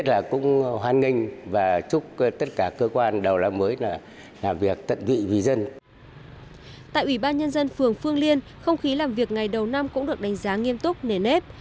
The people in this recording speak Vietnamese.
tại ủy ban nhân dân phường phương liên không khí làm việc ngày đầu năm cũng được đánh giá nghiêm túc nề nếp